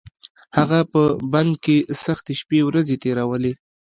هغه په بند کې سختې شپې ورځې تېرولې.